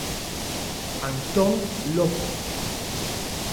Antón Lopo.